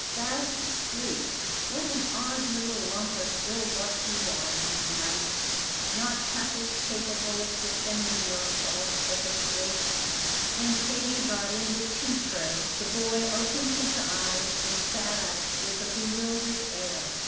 Fast asleep! What an odd little lump of ill luck you are, you mite not half as capable of defending yourself as a stray cat!" When Katie brought in the tea tray, the boy opened his eyes and sat up with a bewildered air.